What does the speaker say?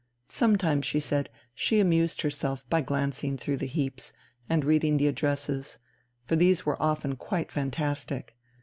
Sometimes, she said, she amused herself by glancing through the heaps, and reading the addresses; for these were often quite fantastic.